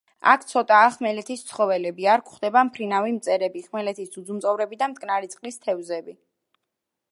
აქ ცოტაა ხმელეთის ცხოველები: არ გვხვდება მფრინავი მწერები, ხმელეთის ძუძუმწოვრები და მტკნარი წყლის თევზები.